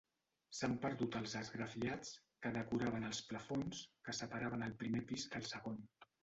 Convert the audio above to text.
S'han perdut els esgrafiats que decoraven els plafons, que separaven el primer pis del segon.